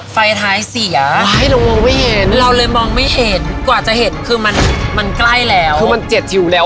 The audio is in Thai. ฟิลล์น่ารักมากแม่